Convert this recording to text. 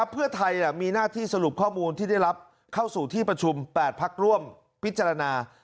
เพื่อไทยมีหน้าที่สรุปข้อมูลที่ได้รับเข้าสู่ที่ประชุม๘พักร่วมพิจารณา